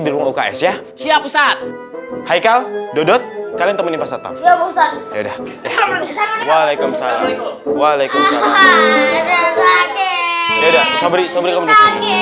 cs ya gemacht hai khalq daud kalian tamu tamu